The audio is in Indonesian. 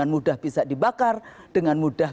mudah bisa dibakar dengan mudah